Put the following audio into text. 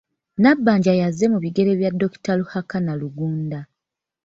Nabbanja yazze mu bigere bya Dr. Ruhakana Rugunda.